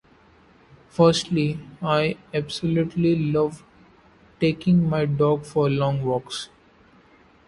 Firstly, I absolutely love taking my dog for long walks.